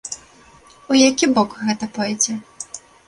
У які бок гэта пойдзе?